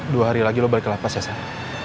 dua hari lagi lo balik ke lapas ya sam